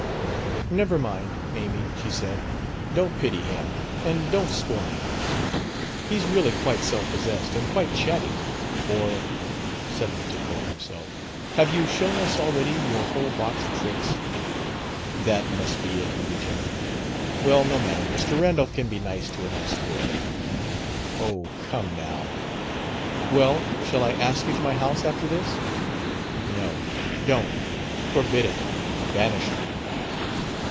"Never mind, Amy," she said. "Don't pity him, and don't scorn him. He's really quite self possessed and quite chatty. Or" suddenly to Cope himself "have you shown us already your whole box of tricks?" "That must be it," he returned. "Well, no matter. Mr. Randolph can be nice to a nice girl." "Oh, come now, " "Well, shall I ask you to my house, after this?" "No. Don't. Forbid it. Banish me."